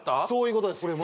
そういうことです